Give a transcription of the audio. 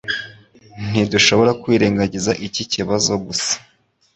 Ntidushobora kwirengagiza iki kibazo gusa.